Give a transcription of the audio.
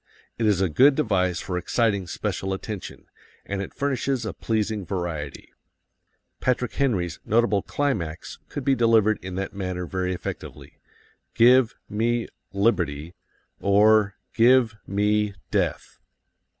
It is a good device for exciting special attention, and it furnishes a pleasing variety. Patrick Henry's notable climax could be delivered in that manner very effectively: "Give me liberty or give me death."